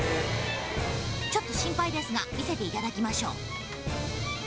ちょっと心配ですが見せていただきましょう。